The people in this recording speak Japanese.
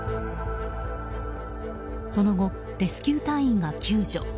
その後、レスキュー隊員が救助。